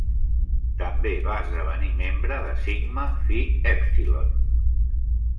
També va esdevenir membre de Sigma Phi Epsilon.